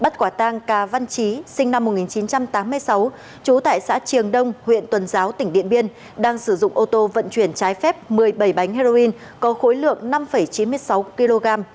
chú tại xã triều đông huyện tuần giáo tỉnh điện biên đang sử dụng ô tô vận chuyển trái phép một mươi bảy bánh heroin có khối lượng năm chín mươi sáu kg